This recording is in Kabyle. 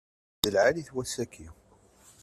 D lɛali-t wass-aki.